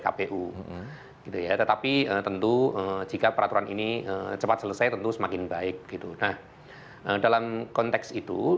kpu gitu ya tetapi tentu jika peraturan ini cepat selesai tentu semakin baik gitu nah dalam konteks itu